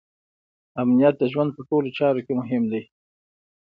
امنیت د ژوند په ټولو چارو کې مهم دی.